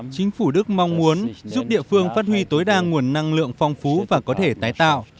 chính phủ đức mong muốn giúp địa phương phát huy tối đa nguồn năng lượng phong phú và có thể tái tạo